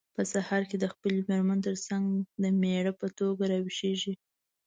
په سهار کې د خپلې مېرمن ترڅنګ د مېړه په توګه راویښیږي.